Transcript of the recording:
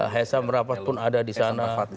hesa merapat pun ada di sana